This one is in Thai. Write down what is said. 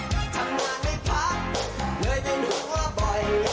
ทำงานในพักเคยเป็นหัวบ่อย